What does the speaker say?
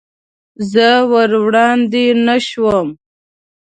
زه ور وړاندې نه شوم.